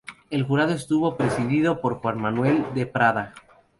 El jurado estuvo presidido por Juan Manuel de Prada.